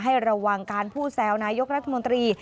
ให้ระวังการพูดแซวนายกรัฐมนตรี